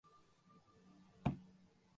மேலும் ஏழைகளே ஏழைகளாவர்.